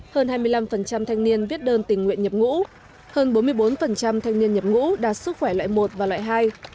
hơn hai mươi năm thanh niên viết đơn tình nguyện nhập ngũ hơn bốn mươi bốn thanh niên nhập ngũ đạt sức khỏe loại một và loại hai